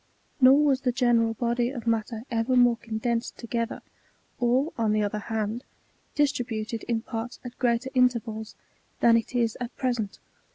Nor was the general body of matter ever more condensed * together, or, on the other hand, distributed in parts at greater intervals, thaii it is at present.